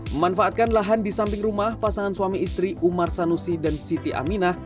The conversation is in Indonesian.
memanfaatkan lahan di samping rumah pasangan suami istri umar sanusi dan siti aminah